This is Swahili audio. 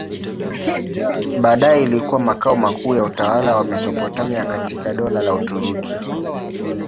Baadaye ilikuwa makao makuu ya utawala wa Mesopotamia katika Dola la Uturuki.